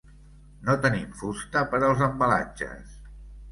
No tenim fusta per als embalatges.